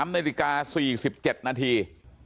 ๓นาฬิกา๔๗นาที